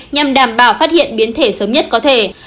nhằm đảm bảo phát hiện biến thể sớm nhất có thể